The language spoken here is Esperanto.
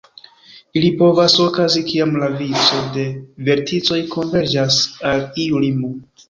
Ili povas okazi, kiam la vico de verticoj konverĝas al iu limo.